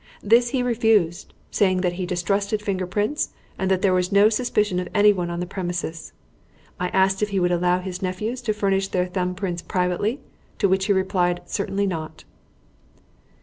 This he refused, saying that he distrusted finger prints and that there was no suspicion of anyone on the premises. I asked if he would allow his nephews to furnish their thumb prints privately, to which he replied, 'Certainly not.'"